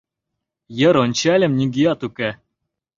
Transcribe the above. Йыр ончальым — нигӧат уке.